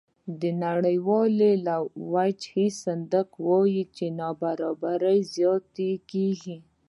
د نړیوال وجهي صندوق وایي چې نابرابري زیاتېږي